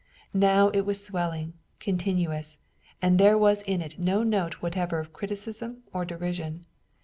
Now it was swelling, continuous, and there was in it no note whatever of criticism or derision.